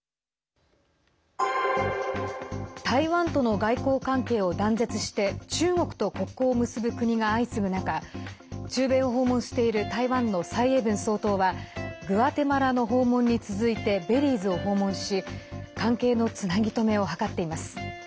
台湾との外交関係を断絶して中国と国交を結ぶ国が相次ぐ中中米を訪問している台湾の蔡英文総統はグアテマラの訪問に続いてベリーズを訪問し関係のつなぎ止めを図っています。